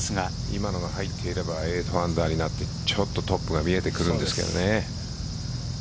今のが入っていれば８アンダーになってちょっとトップが見えてくるんですけどね。